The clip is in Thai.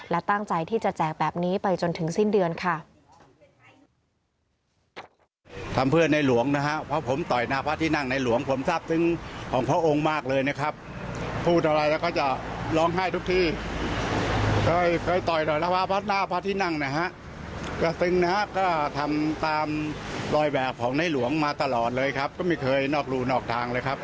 และตั้งใจที่จะแจกแบบนี้ไปจนถึงสิ้นเดือนค่ะ